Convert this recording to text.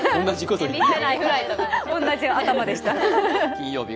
同じ頭でした。